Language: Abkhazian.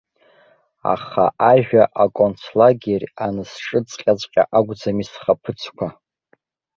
Аха ажәа аконцлагер анысҿыҵҟьаҵәҟьа акәӡами схаԥыцқәа.